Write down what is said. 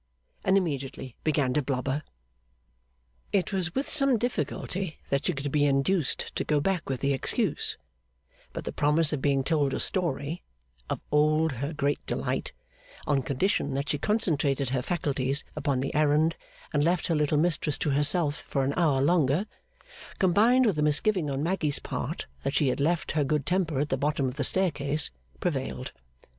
And immediately began to blubber. It was with some difficulty that she could be induced to go back with the excuse; but the promise of being told a story of old her great delight on condition that she concentrated her faculties upon the errand and left her little mistress to herself for an hour longer, combined with a misgiving on Maggy's part that she had left her good temper at the bottom of the staircase, prevailed.